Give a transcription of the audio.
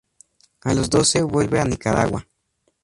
A los doce vuelve a Nicaragua.